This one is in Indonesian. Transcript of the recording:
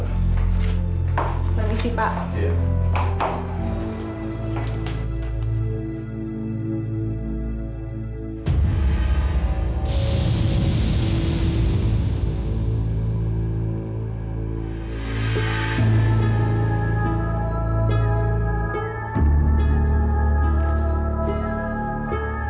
terima kasih pak